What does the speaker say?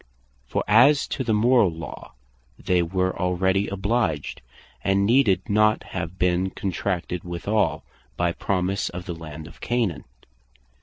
For as to the Morall law, they were already obliged, and needed not have been contracted withall, by promise of the Land of Canaan.